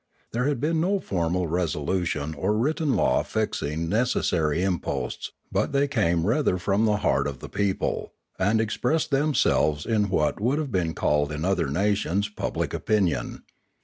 There had been no formal resolution or written law fixing neces sary imposts, but they came rather from the heart of the people, and expressed themselves in what would have been called in other nations public opinion.